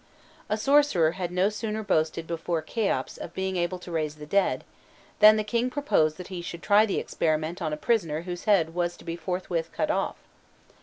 A sorcerer had no sooner boasted before Kheops of being able to raise the dead, than the king proposed that he should try the experiment on a prisoner whose head was to be forthwith cut off.